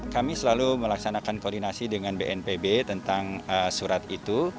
kami selalu melaksanakan koordinasi dengan bnpb tentang surat itu